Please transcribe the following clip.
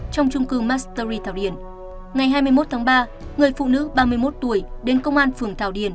trong trung cư mastery thảo điền ngày hai mươi một tháng ba người phụ nữ ba mươi một tuổi đến công an phường thảo điền